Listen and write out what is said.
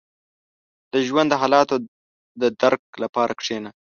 • د ژوند د حالاتو د درک لپاره کښېنه.